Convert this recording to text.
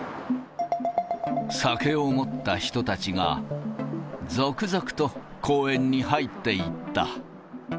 酒を持った人たちが続々と公園に入っていった。